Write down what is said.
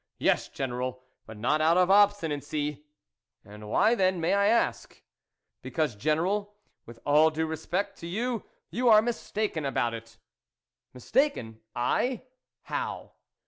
"Yes, General, but not out of ob stinacy." " And why then, may I ask ?"" Because, General, with all due respect to you, you are mistaken about it." " Mistaken ? I ? How